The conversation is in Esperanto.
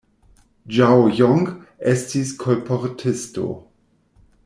Ĝao Jong estis kolportisto.